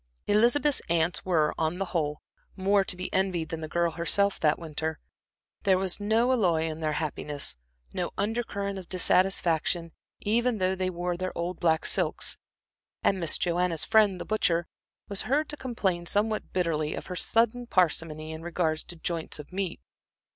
Elizabeth's aunts were on the whole, more to be envied than the girl herself that winter. There was no alloy in their happiness, no under current of dissatisfaction, even though they wore their old black silks, and Miss Joanna's friend, the butcher, was heard to complain somewhat bitterly of her sudden parsimony in regard to joints of meat.